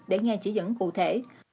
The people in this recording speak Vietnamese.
để nghe chỉ dẫn cụ thể